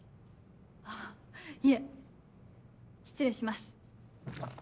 あいえ失礼します。